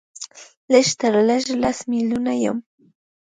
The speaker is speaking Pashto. لږ تر لږه لس ملیونه یې